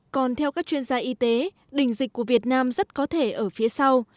còn theo các chuyên gia y tế đỉnh dịch của việt nam rất có thể ở phía sau